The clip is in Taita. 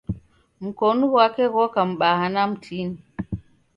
Mkonu ghwake ghoka mbaha na mtini.